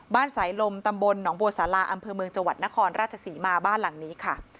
สายลมตำบลหนองบัวสาราอำเภอเมืองจังหวัดนครราชศรีมาบ้านหลังนี้ค่ะ